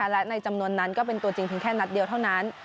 และในจำนวนนั้นก็เป็นตัวจริงเพียงแค่นัดเดียวเท่านั้น